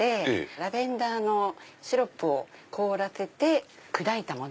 ラベンダーのシロップを凍らせて砕いたもの。